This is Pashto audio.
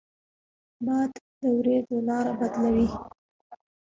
باد د ورېځو لاره بدلوي